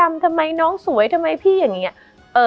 มันทำให้ชีวิตผู้มันไปไม่รอด